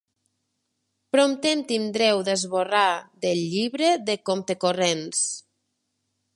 Aviat em tindreu de esborrar del llibre de compte-corrents.